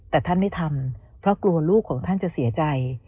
แต่ท่านไม่ทำเพราะกลัวลูกของท่านจะเสียใจ